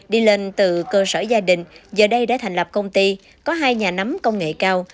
đi lên từ cơ sở gia đình giờ đây đã thành lập công ty có hai nhà nắm công nghệ cao